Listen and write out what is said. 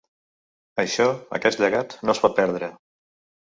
Això, aquest llegat, no es pot perdre.